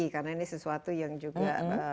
karena ini sesuatu yang juga